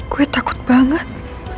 gue takut banget